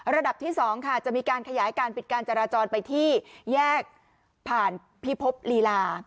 ระดับที่๒ค่ะจะมีการขยายการปิดการจราจรไปที่แยกผ่านพิภพลีลา